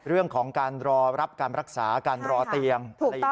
เรื่องของการรอรับการรักษาการรอเตียง